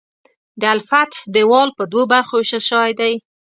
د الفتح دیوال په دوو برخو ویشل شوی دی.